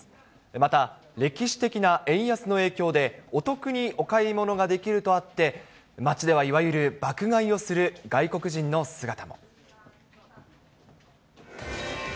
また歴史的な円安の影響でお得にお買い物ができるとあって、街ではいわゆる爆買いをする外国人の姿も。